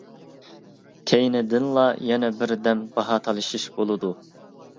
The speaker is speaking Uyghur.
كەينىدىنلا يەنە بىردەم باھا تالىشىش بولىدۇ.